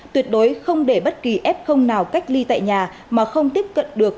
tuyệt đối không để bất kỳ f nào cách ly tại nhà mà không tiếp cận được